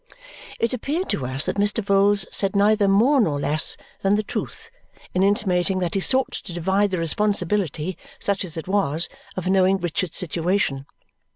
It appeared to us that Mr. Vholes said neither more nor less than the truth in intimating that he sought to divide the responsibility, such as it was, of knowing Richard's situation.